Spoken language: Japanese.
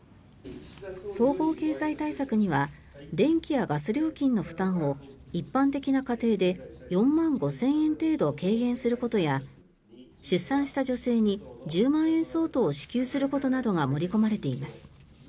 総合経済対策には電気やガス料金の負担を一般的な家庭で４万５０００円程度軽減することや出産した女性に１０万円相当を支給することなどが盛り込まれています。